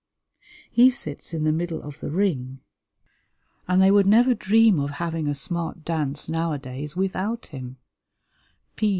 He sits in the middle of the ring, and they would never dream of having a smart dance nowadays without him.